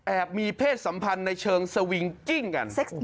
มีเพศสัมพันธ์ในเชิงสวิงกิ้งกัน